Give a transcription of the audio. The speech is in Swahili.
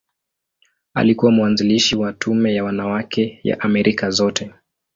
Alikuwa mwanzilishi wa Tume ya Wanawake ya Amerika Zote.